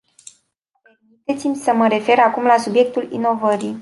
Permiteți-mi să mă refer acum la subiectul inovării.